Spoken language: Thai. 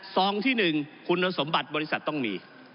ซองที่๑คุณสมบัติบริษัทต้องมี